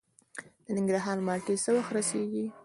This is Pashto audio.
د ننګرهار مالټې څه وخت رسیږي؟